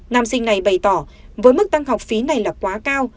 nam sinh này bày tỏ với mức tăng học phí này là quá cao